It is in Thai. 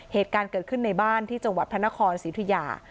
เหตุการณ์เกิดขึ้นในบ้านที่จังหวัดพระนครศรีธุยา